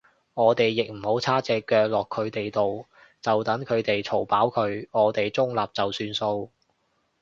我哋亦唔好叉隻腳落佢哋度，就等佢哋嘈飽佢，我哋中立就算數